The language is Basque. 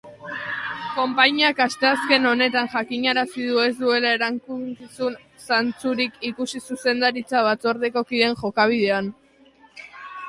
Konpainiak asteazken honetan jakinarazi du ez duela erantzukizun zantzurik ikusi zuzendaritza-batzordeko kideen jokabidean.